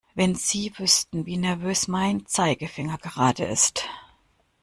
Wenn Sie wüssten, wie nervös mein Zeigefinger gerade ist!